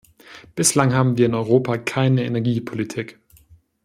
Bislang haben wir in Europa keine Energiepolitik.